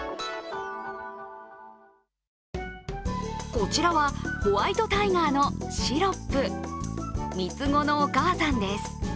こちらは、ホワイトタイガーのシロップ、三つ子のお母さんです。